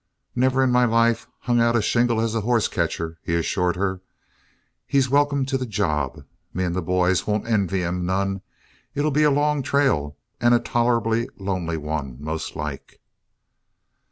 "Never in my life hung out a shingle as a hoss catcher," he assured her. "He's welcome to the job. Me and the boys won't envy him none. It'll be a long trail and a tolerable lonely one, most like."